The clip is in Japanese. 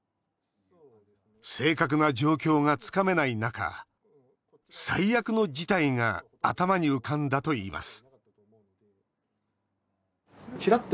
正確な状況がつかめない中最悪の事態が頭に浮かんだといいます